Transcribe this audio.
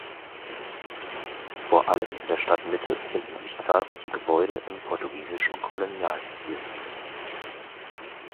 Vor allem in der Stadtmitte finden sich zahlreiche Gebäude im portugiesischen Kolonialstil.